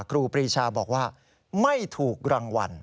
ครูปรีชาบอกว่าไม่ถูกรางวัล